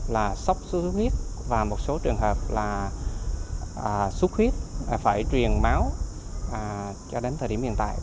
một số trường hợp là sốt xuất huyết và một số trường hợp là xuất huyết phải truyền máu cho đến thời điểm hiện tại